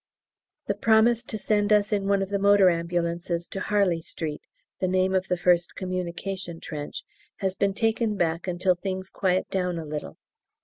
The promise to send us in one of the M.A.'s to "Harley Street" (the name of the first communication trench) has been taken back until things quiet down a little.